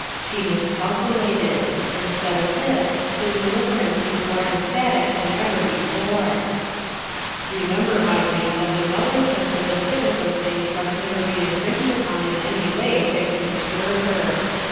She miscalculated. In stead of this, his deliverance was more emphatic than ever before, "Remember, Irene, that my mother's sense of the fitness of things must never be infringed upon in any way that can disturb her.